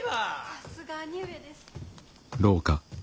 さすが兄上です。